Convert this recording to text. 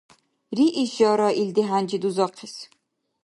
Риишара илди хӀянчи дузахъес?